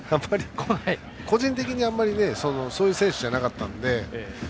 個人的にあんまりそういう選手じゃなかったので。